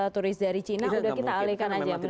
turis dari cina sudah kita alihkan aja